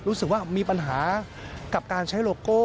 รู้สึกว่ามีปัญหากับการใช้โลโก้